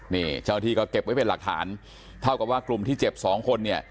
นี่เจ้าหน้าที่ก็เก็บไว้เป็นหลักฐานเท่ากับว่ากลุ่มที่เจ็บสองคนเนี่ย